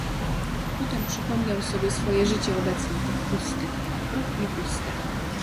"Potem przypomniał sobie swoje życie obecne, tak puste, tak okropnie puste!..."